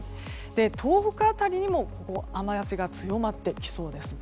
東北辺りにも雨脚が強まってきそうです。